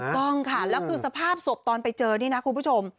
ต้องค่ะแล้วคือสภาพศพตอนไปเจอนี่นะคุณผู้ชม